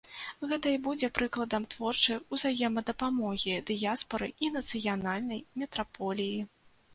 Гэта і будзе прыкладам творчай узаемадапамогі дыяспары і нацыянальнай метраполіі.